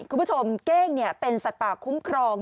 คุณผู้ชมเก้งเนี่ยเป็นสัตว์ปากคุ้มครอง